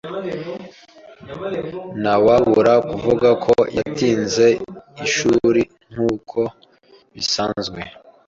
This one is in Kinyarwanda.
Ntawabura kuvuga ko yatinze ishuri nkuko bisanzwe.